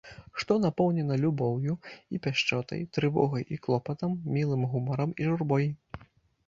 Што напоўнена любоўю і пяшчотай, трывогай і клопатам, мілым гумарам і журбой.